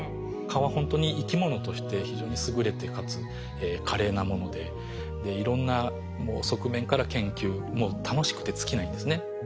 蚊はほんとに生き物として非常に優れてかつ華麗なものでいろんな側面から研究もう楽しくて尽きないんですね。